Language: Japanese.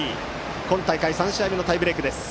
今大会３試合目のタイブレークです。